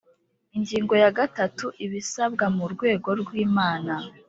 Ingingo ya gatatu Ibisabwa mu rwego rwi iman